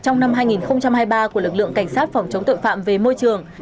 trong năm hai nghìn hai mươi ba của lực lượng cảnh sát phòng chống tội phạm về môi trường